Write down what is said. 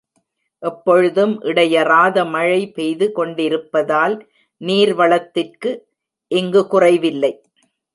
எப்பொழுதும் இடையறாத மழை பெய்து கொண்டிருப்பதால், நீர் வளத்திற்கு இங்கு குறைவில்லை.